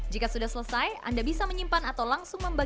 jika sudah selesai anda bisa menyediakan video yang lebih hidup